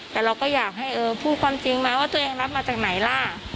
แต่เราก็อยากให้พูดความจริงมาว่าตัวเองรับมาจากไหนล่ะ